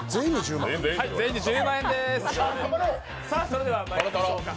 それでは、まいりましょうか。